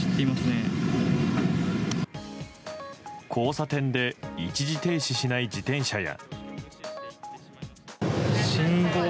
交差点で一時停止しない自転車や。